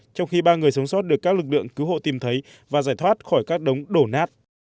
trong khi ba người sống sót được các lực lượng cứu hộ tìm thấy và giải thoát khỏi các đống đổ nát